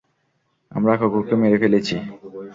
আমরা কুকুরকে মেরে ফেলেছি!